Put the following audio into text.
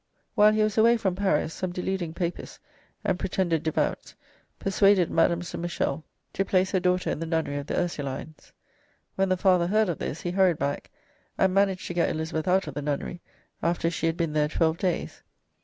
While he was away from Paris, some "deluding papists" and "pretended devouts" persuaded Madame St. Michel to place her daughter in the nunnery of the Ursulines. When the father heard of this, he hurried back, and managed to get Elizabeth out of the nunnery after she had been there twelve days.